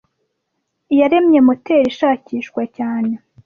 yaremye moteri ishakishwa cyane